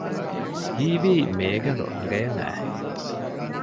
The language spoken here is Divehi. ހީވީ މޭގަނޑު އަނގަޔަށް އައިހެން